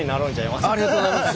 ありがとうございます。